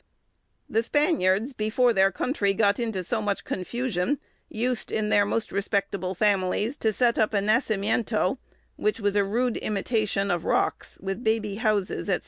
The Spaniards, before their country got into so much confusion, used, in most respectable families, to set up a nacimiento, which was a rude imitation of rocks, with baby houses, &c.